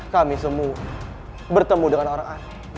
kami semua bertemu dengan orang anda